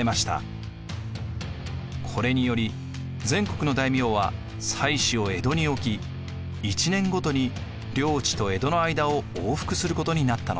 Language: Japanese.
これにより全国の大名は妻子を江戸に置き１年ごとに領地と江戸の間を往復することになったのです。